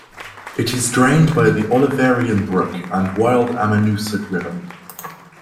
It is drained by the Oliverian Brook and Wild Ammonoosuc River.